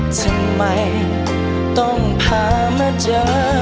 ทำไมต้องพามาเจอ